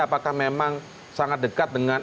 apakah memang sangat dekat dengan